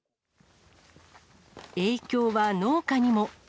影響は農家にも。